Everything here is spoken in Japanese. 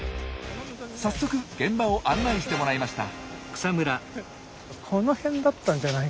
早速現場を案内してもらいました。